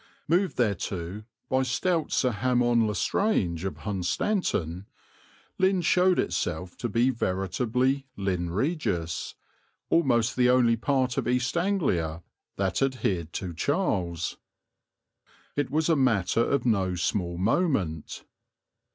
Moved thereto by stout Sir Hamon le Strange of Hunstanton, Lynn showed itself to be veritably Lynn Regis, almost the only part of East Anglia that adhered to Charles. It was a matter of no small moment.